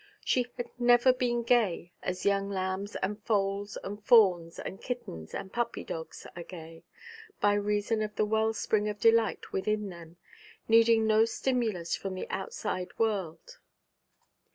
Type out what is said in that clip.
She had never been gay as young lambs and foals and fawns and kittens and puppy dogs are gay, by reason of the well spring of delight within them, needing no stimulus from the outside world.